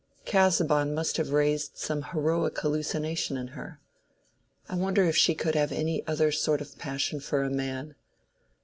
Casaubon must have raised some heroic hallucination in her. I wonder if she could have any other sort of passion for a man?